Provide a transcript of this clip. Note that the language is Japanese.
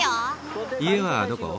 家はどこ？